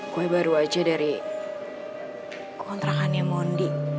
gue baru aja dari kontrakannya mondi